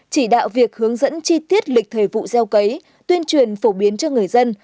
chỉ đạo việc hướng dẫn chi tiết lịch thời vụ gieo cấy tuyên truyền phổ biến cho người dân